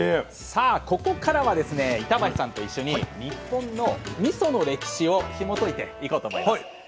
さあここからはですね板橋さんと一緒に日本のみその歴史をひもといていこうと思います。